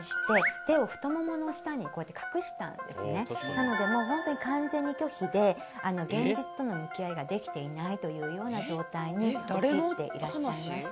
なので本当に完全に拒否で現実との向き合いができていないというような状態に陥っていらっしゃいました。